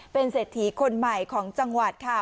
เป็นเศรษฐีคนใหม่ของจังหวัดค่ะ